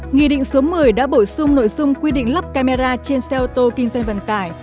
nghị định số một mươi đã bổ sung nội dung quy định lắp camera trên xe ô tô kinh doanh vận tải